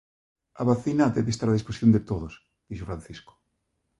A vacina debe estar a disposición de todos, dixo Francisco.